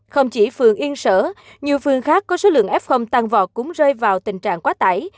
không chỉ phường yên sở nhiều phương khác có số lượng f tăng vọt cũng rơi vào tình trạng quá tải